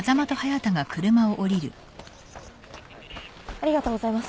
・ありがとうございます。